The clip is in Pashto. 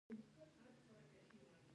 په افغانستان کې د اوښانو ډېرې منابع شته دي.